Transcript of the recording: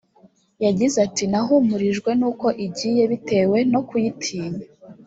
yagize ati nahumurijwe n’uko igiye bitewe no kuyitinya